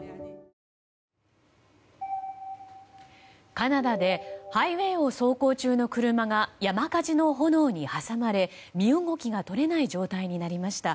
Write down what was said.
カナダでハイウェーを走行中の車が山火事の炎に挟まれ、身動きが取れない状態になりました。